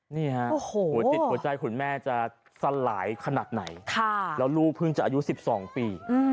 นี่ฮะหัวจิตหัวใจคุณแม่จะสลายขนาดไหนแล้วลูกเพิ่งจะอายุ๑๒ปี